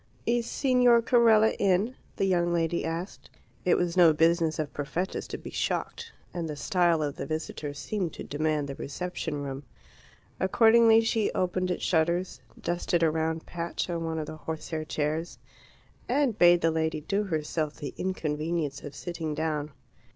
"Is Signor Carella in?" the young lady asked. It was no business of Perfetta's to be shocked, and the style of the visitor seemed to demand the reception room. Accordingly she opened its shutters, dusted a round patch on one of the horsehair chairs, and bade the lady do herself the inconvenience of sitting down.